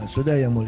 sudah yang mulia